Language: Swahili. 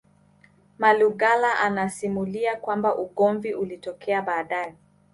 Malugala anasimulia kwamba ugomvi ulitokea baadae